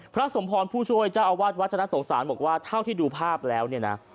สมพรผู้ช่วยเจ้าอาวาสวัฒนสงสารบอกว่าเท่าที่ดูภาพแล้วเนี่ยนะ